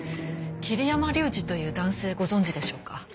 桐山竜二という男性ご存じでしょうか？